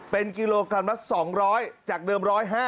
เป็นกิโลกรัมละ๒๐๐จากเดิม๑๕๐